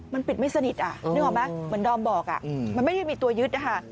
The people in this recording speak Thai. มันปิดไม่สนิทเนาะมะเหมือนดอมบอกมันไม่มีตัวยึด